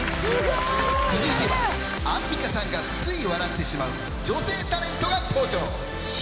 続いてはアンミカさんがつい笑ってしまう女性タレントが登場！